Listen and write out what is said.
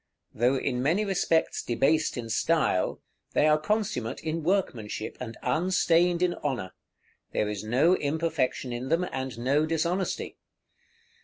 Though in many respects debased in style, they are consummate in workmanship, and unstained in honor; there is no imperfection in them, and no dishonesty.